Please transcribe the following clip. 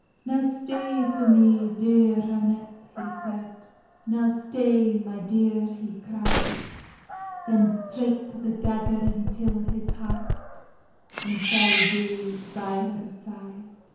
"Now stay for me, dear Annet," he sed, "Now stay, my dear," he cry'd; Then strake the dagger untill his heart, And fell deid by her side.